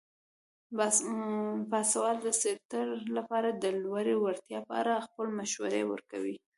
پاسوال د سرتیرو لپاره د لوړې وړتیا په اړه خپل مشورې ورکوي.